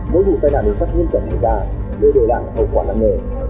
mỗi vụ tai nạn đường sắt nghiêm trọng xảy ra đều đều là hậu quả lãng nghệ